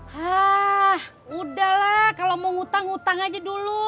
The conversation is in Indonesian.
hah udahlah kalau mau ngutang ngutang aja dulu